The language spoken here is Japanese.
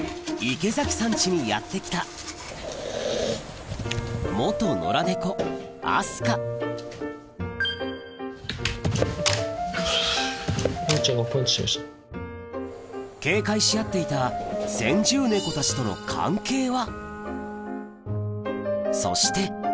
池崎さん家にやって来た野良猫明日香警戒し合っていた先住猫たちとの関係は？